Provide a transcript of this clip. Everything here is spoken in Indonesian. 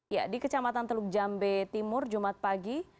ya di kecamatan teluk jambe timur jumat pagi